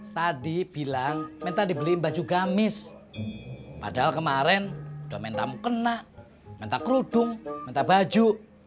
tadi bilang minta dibeli baju gamis padahal kemarin udah minta mukena minta kerudung minta baju